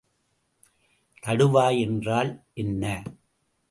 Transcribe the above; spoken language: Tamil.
தடுவாய் என்றால் என்ன?